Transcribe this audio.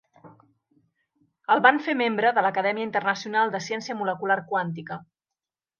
El van fer membre de l'Acadèmia Internacional de Ciència Molecular Quàntica.